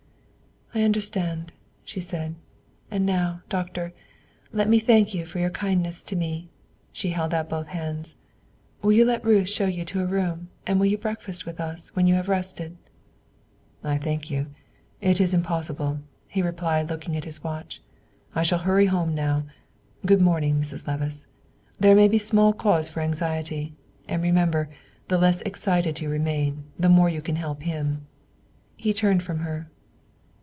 "I understand," she said. "And now, Doctor, let me thank you for your kindness to me;" she held out both hands. "Will you let Ruth show you to a room, and will you breakfast with us when you have rested?" "I thank you; it is impossible," he replied, looking at his watch. "I shall hurry home now. Good morning, Mrs. Levice. There may be small cause for anxiety; and, remember, the less excited you remain, the more you can help him." He turned from her.